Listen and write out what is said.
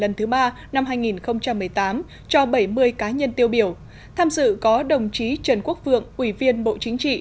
năm hai nghìn một mươi ba hai nghìn một mươi tám cho bảy mươi cá nhân tiêu biểu tham dự có đồng chí trần quốc vượng ủy viên bộ chính trị